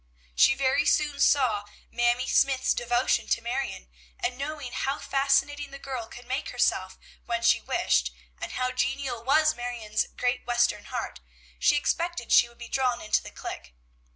She very soon saw Mamie Smythe's devotion to Marion, and knowing how fascinating the girl could make herself when she wished, and how genial was Marion's great Western heart, she expected she would be drawn into the clique.